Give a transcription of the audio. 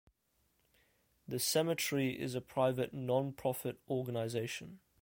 The cemetery is a private non-profit organization.